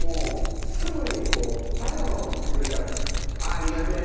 「ありがてえな」